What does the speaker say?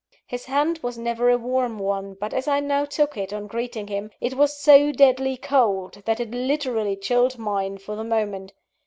His hand was never a warm one; but as I now took it, on greeting him, it was so deadly cold that it literally chilled mine for the moment.